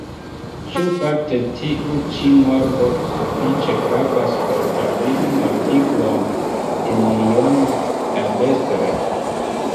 Ĉu fakte tiu ĉi morbo sufiĉe gravas por pravigi mortigon de miliono da bestoj?